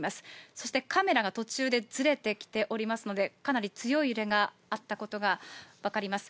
そしてカメラが途中でずれてきておりますので、かなり強い揺れがあったことが分かります。